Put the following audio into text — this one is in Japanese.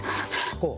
こう。